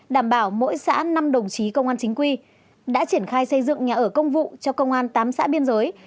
đảm bảo mỗi xã năm đồng chí công an chính quy đã triển khai xây dựng nhà ở công vụ cho công an tám xã biên giới